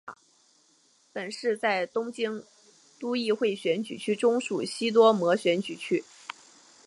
本市在东京都议会选举区中属西多摩选举区。